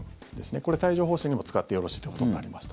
これ、帯状疱疹にも使ってよろしいということになりました。